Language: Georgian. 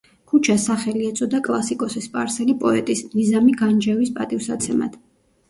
ქუჩას სახელი ეწოდა კლასიკოსი სპარსელი პოეტის, ნიზამი განჯევის პატივსაცემად.